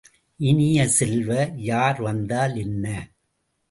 இனிய செல்வ, யார் வந்தால் என்ன?